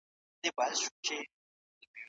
که ښځې کار وکړي نو اقتصاد مو نه کمزوری کیږي.